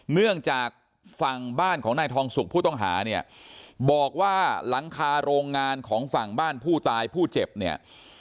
เนื่องจากฝั่งบ้านของนายทองสุกผู้ต้องหาเนี่ยบอกว่าหลังคาโรงงานของฝั่งบ้านผู้ตายผู้เจ็บเนี่ย